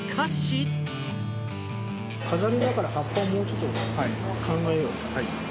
飾りだから、葉っぱをもうちょっと考えよう。